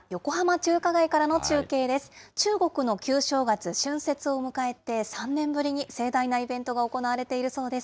中国の旧正月、春節を迎えて、３年ぶりに盛大なイベントが行われているそうです。